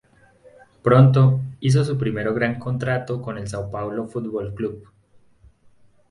Pronto, hizo su primero gran contrato con el São Paulo Futebol Clube.